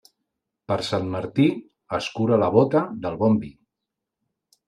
Per Sant Martí, escura la bóta del bon vi.